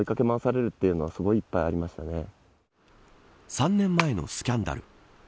３年前のスキャンダル。